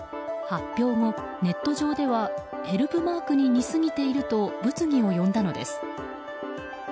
発表後、ネット上ではヘルプマークに似すぎていると物議を呼んだのです。